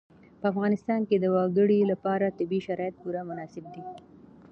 په افغانستان کې د وګړي لپاره طبیعي شرایط پوره مناسب دي.